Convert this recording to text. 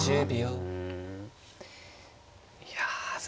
うん。